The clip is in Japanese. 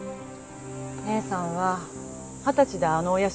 姉さんは二十歳であのお屋敷に嫁いで。